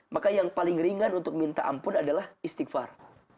maka yang paling ringan untuk minta ampun adalah istighfar